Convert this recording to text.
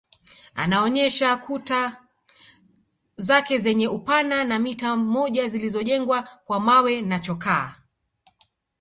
Anaonesha kuta zake zenye upana wa mita moja zilizojengwa kwa mawe na chokaa